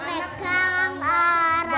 tuh pegang arahnya